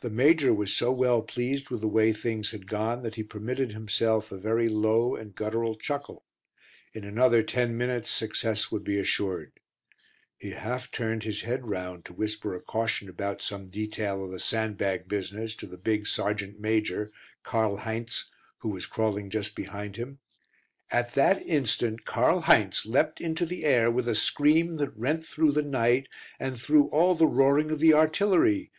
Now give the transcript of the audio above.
The major was so well pleased with the way things had gone that he permitted himself a very low and guttural chuckle; in another ten minutes success would be assured. He half turned his head round to whisper a caution about some detail of the sandbag business to the big sergeant major, Karl Heinz, who was crawling just behind him. At that instant Karl Heinz leapt into the air with a scream that rent through the night and through all the roaring of the artillery.